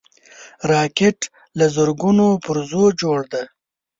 راکټ له زرګونو پرزو جوړ دی